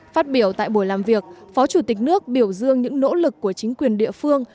phát biểu tại buổi làm việc phó chủ tịch nước biểu dương những nỗ lực của chính quyền địa phương